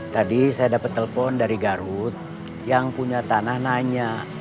tadi saya dapat telepon dari garut yang punya tanah nanya